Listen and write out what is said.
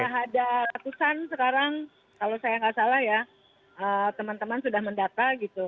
ada ratusan sekarang kalau saya nggak salah ya teman teman sudah mendata gitu